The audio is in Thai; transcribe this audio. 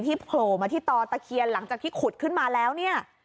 โผล่มาที่ต่อตะเคียนหลังจากที่ขุดขึ้นมาแล้วเนี่ย